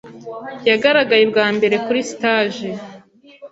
Yagaragaye bwa mbere kuri stage